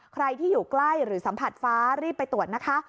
ใครที่อยู่ใกล้หรือสัมผัสฟ้ารีบไปตรวจนะคะ